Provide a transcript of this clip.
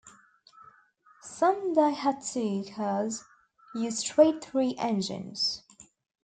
Some Daihatsu cars use straight-three engines.